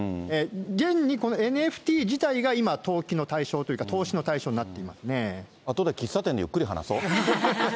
現にこの、ＮＦＴ自体が今、投機の対象というか、投資の対象になあとで喫茶店でゆっくり話そう。